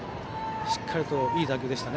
しっかりといい打球でした。